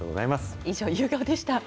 以上、夕顔でした。